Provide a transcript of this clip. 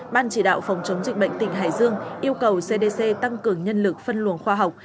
ban chỉ đạo phòng chống dịch bệnh tỉnh hải dương yêu cầu cdc tăng cường nhân lực phân luồng khoa học